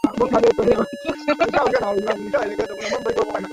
kwa hatua Waturuki walikaa Asia ya Kati na